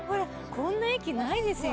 こんな駅ないですよ！